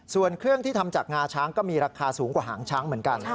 ส่วนเครื่องที่ทำจากงาช้างก็มีราคาสูงกว่าหางช้างเหมือนกัน